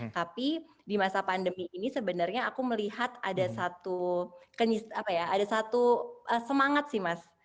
tapi di masa pandemi ini sebenarnya aku melihat ada satu semangat sih mas